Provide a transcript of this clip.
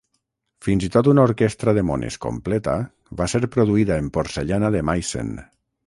Fins i tot una orquestra de mones completa va ser produïda en Porcellana de Meissen.